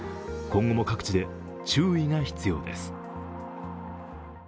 今後も各地で注意が必要です。